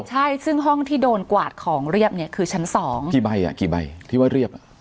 ใช่ซึ่งห้องที่โดนกวาดของเรียบเนี่ยคือชั้นสองกี่ใบอ่ะกี่ใบที่ว่าเรียบอ่ะ